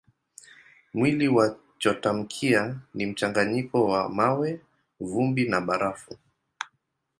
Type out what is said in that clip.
Mwili wa nyotamkia ni mchanganyiko wa mawe, vumbi na barafu.